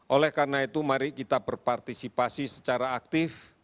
oleh karena itu mari kita berpartisipasi secara aktif